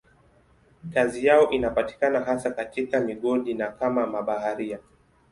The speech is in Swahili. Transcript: Kazi yao inapatikana hasa katika migodi na kama mabaharia.